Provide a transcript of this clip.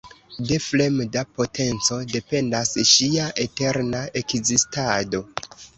De fremda potenco dependas ŝia eterna ekzistado.